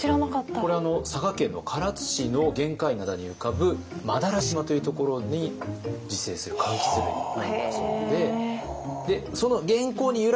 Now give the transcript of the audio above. これ佐賀県の唐津市の玄界灘に浮かぶ馬渡島というところに自生するかんきつ類なんだそうで。